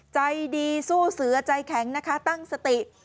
ใจดีสู้เสือใจแข็งนะคะตั้งสติ